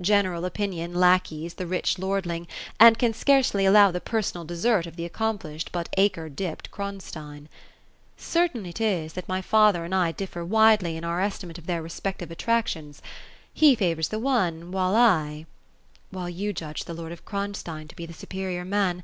General opinion lackeys the rich lord ling, and can scarcely allow the personal desert of the accomplished, but acre dipped Kronstein. Certain it is, that my father and I dififer wide ly in our estimate of their respective attractions. He favours the one while I "" While you judge the lord of Kronstein to be the superior man.